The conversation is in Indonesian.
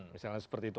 misalnya seperti itu